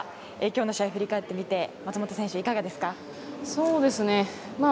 今日の試合を振り返ってみて松本選手、いかがですか？